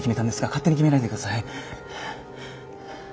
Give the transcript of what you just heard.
勝手に決めないでください。